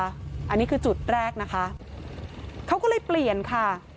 อันนี้คือจุดแรกนะคะเขาก็เลยเปลี่ยนค่ะ